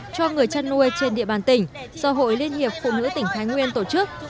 cho người chăn nuôi trên địa bàn tỉnh do hội liên hiệp phụ nữ tỉnh thái nguyên tổ chức